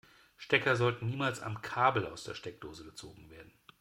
Stecker sollten niemals am Kabel aus der Steckdose gezogen werden.